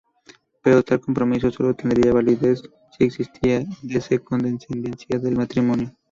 Pero tal compromiso solo tendría validez si existía descendencia del matrimonio.